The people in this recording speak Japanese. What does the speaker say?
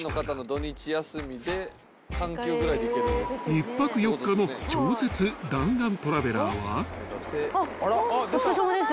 ［１泊４日の超絶弾丸トラベラーは］